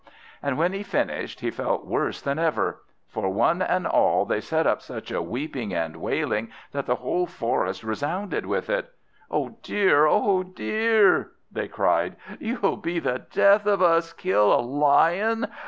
And when he finished, he felt worse than ever; for one and all they set up such a weeping and wailing that the whole forest resounded with it! "Oh dear, oh dear!" they cried, "you'll be the death of us! Kill a Lion?